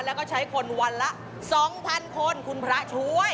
แล้วก็ใช้คนวันละ๒๐๐คนคุณพระช่วย